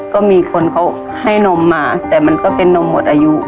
ก็มีคนเขาให้นมมาแต่มันก็เป็นนมหมดอายุ